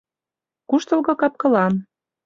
Куштылго капкылан.